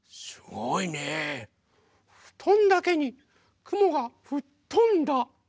ふとんだけにくもがふっとんだ。